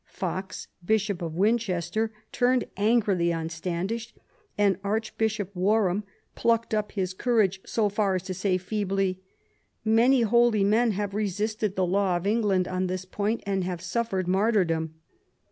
Fox, Bishop of Winchester, turned angrily on Standish, and Archbishop Warham plucked up his courage so far as to say feebly, " Many holy men have resisted the law of England on this point and have suffered martyrdom."